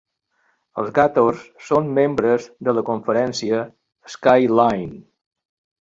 Els Gators són membres de la Conferència Skyline.